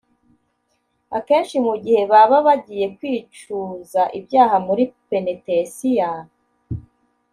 akenshi mu gihe baba bagiye kwicuza ibyaha muri penetesiya